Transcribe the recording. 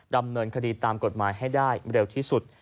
ดำเนินคดีตามกฎหมายให้ได้เร็วที่สุด